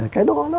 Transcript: cái đó đó